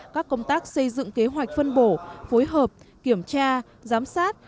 các công tác xây dựng kế hoạch phân bổ phối hợp kiểm tra giám sát